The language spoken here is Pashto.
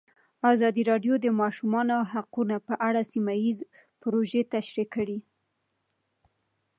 ازادي راډیو د د ماشومانو حقونه په اړه سیمه ییزې پروژې تشریح کړې.